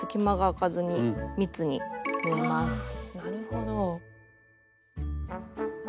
あなるほど。